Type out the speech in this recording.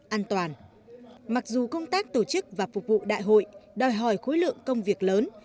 an toàn mặc dù công tác tổ chức và phục vụ đại hội đòi hỏi khối lượng công việc lớn